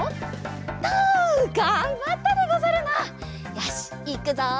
よしいくぞ！